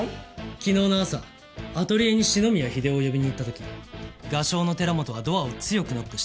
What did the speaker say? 昨日の朝アトリエに四ノ宮英夫を呼びに行った時画商の寺本はドアを強くノックした。